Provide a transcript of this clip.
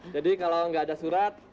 jadi kalau tidak ada surat